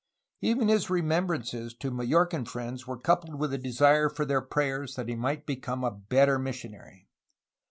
Even his remem brances to Majorcan friends were coupled with a desire for their prayers that he might become a better missionary.